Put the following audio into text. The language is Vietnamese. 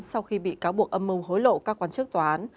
sau khi bị cáo buộc âm mưu hối lộ các quan chức tòa án